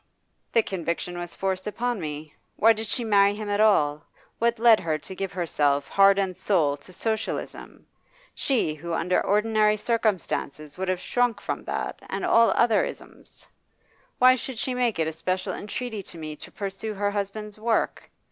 'The conviction was forced upon me. Why did she marry him at all? What led her to give herself, heart and soul, to Socialism, she who under ordinary circumstances would have shrunk from that and all other isms? Why should she make it a special entreaty to me to pursue her husband's work?